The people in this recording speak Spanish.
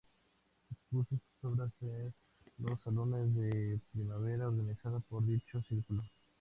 Expuso sus obras en los Salones de Primavera organizados por dicho Círculo.